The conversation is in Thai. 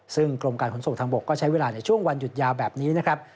ซึ่งกรมการขนส่งทางบกก็ใช้เวลาในช่วงวันหยุดยาวแบบนี้นะครับ